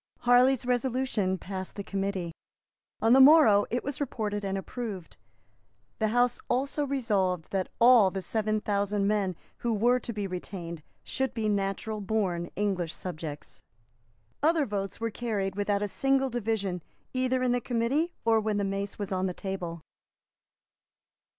Harley's resolution passed the Committee. On the morrow it was reported and approved. The House also resolved that all the seven thousand men who were to be retained should be natural born English subjects. Other votes were carried without a single division either in the Committee or when the mace was on the table.